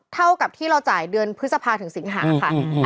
เท่ากับที่เราจ่ายเดือนพฤษภาถึงสิงหาค่ะ